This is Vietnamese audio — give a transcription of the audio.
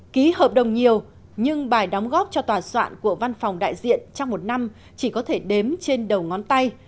ký hợp đồng nhiều nhưng bài đóng góp cho tòa soạn của văn phòng đại diện trong một năm chỉ có thể đếm trên đầu ngón tay